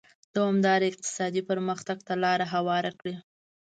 دوامداره اقتصادي پرمختګ ته لار هواره کړي.